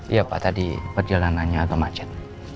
iya pak tadi perjalanannya agak macet